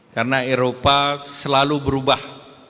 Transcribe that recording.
karena eropa selalu berubah